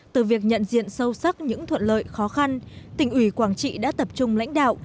từ việc nhận diện sâu sắc những thuận lợi khó khăn tỉnh ủy quảng trị đã tập trung lãnh đạo